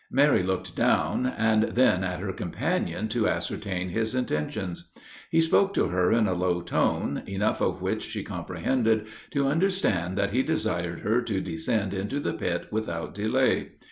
Mary looked down, and then at her companion to ascertain his intentions. He spoke to her in a low tone, enough of which she comprehended to understand that he desired her to descend into the pit without delay.